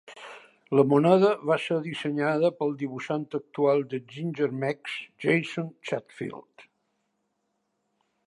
La moneda va ser dissenyada pel dibuixant actual de Ginger Meggs, Jason Chatfield.